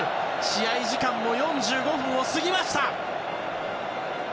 試合時間も４５分を過ぎました！